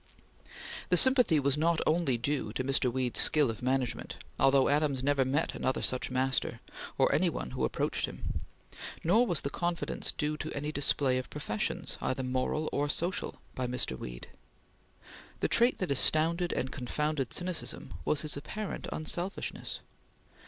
The sympathy was not due only to Mr. Weed's skill of management, although Adams never met another such master, or any one who approached him; nor was the confidence due to any display of professions, either moral or social, by Mr. Weed. The trait that astounded and confounded cynicism was his apparent unselfishness.